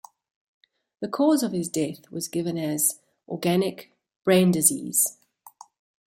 The cause of his death was given as "organic brain disease".